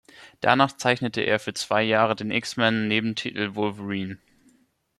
Danach zeichnete er für zwei Jahre den X-Men Nebentitel "Wolverine".